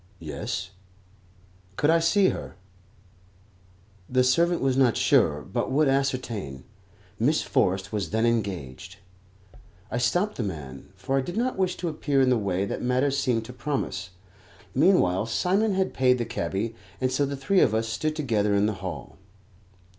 Yes. Could I see her? The servant was not sure, but would ascertain. Miss Forrest was then engaged. I stopped the man, for I did not wish to appear in the way that matters seemed to promise. Meanwhile Simon had paid the cabby, and so the three of us stood together in the hall.